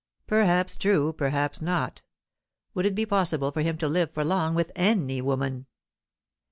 "Perhaps true; perhaps not. Would it be possible for him to live for long with any woman?"